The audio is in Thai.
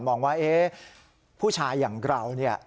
มองว่าผู้ชายอย่างเราเนี่ย